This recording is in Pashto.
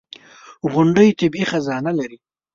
• غونډۍ طبیعي خزانه لري.